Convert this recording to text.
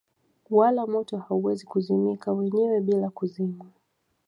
Wala moto hauwezi kuzimika wenyewe bila kuzimwa